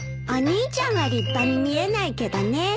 お兄ちゃんは立派に見えないけどね。